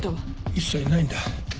一切ないんだ。